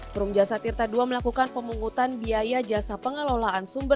perum jasa tirta ii melakukan pemungutan biaya jasa pengelolaan sumber